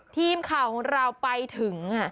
ทีมข่าวของเราไปถึง